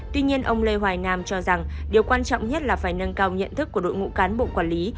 tuy nhiên ông lê hoài nam cho rằng điều quan trọng nhất là phải nâng cao nhận thức của đội ngũ cán bộ quản lý